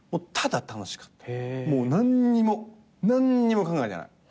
もう何にも何にも考えてない。